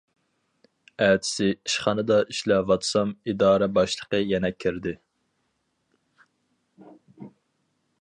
ئەتىسى ئىشخانىدا ئىشلەۋاتسام ئىدارە باشلىقى يەنە كىردى.